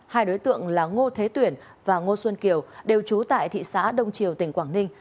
hai đối tượng là ngô thế tuyển và ngô xuân kiều đều trú tại thị xã đông triều tỉnh quảng ninh